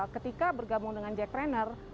ketika bergabung dengan jack trainer